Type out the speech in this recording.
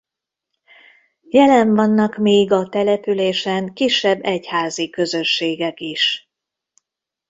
Jelen vannak még a településen kisebb egyházi közösségek is.